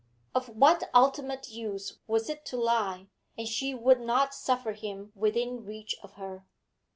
Of what ultimate use was it to lie? And she would not suffer him within reach of her.